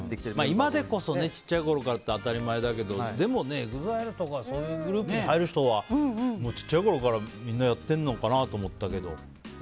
今でこそね小さいころからって当たり前だけどでもＥＸＩＬＥとかそういうグループに入る人は小さいころから、みんなやってるのかなって思ってたけど。